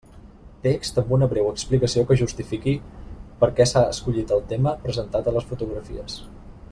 Text amb una breu explicació que justifiqui per què s'ha escollit el tema presentat a les fotografies.